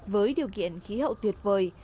với điều kiện khí hậu tuyệt vời